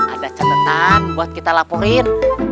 ada catatan buat kita laporin